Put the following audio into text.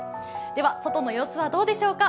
では、外の様子はどうでしょうか。